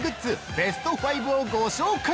ベスト５をご紹介！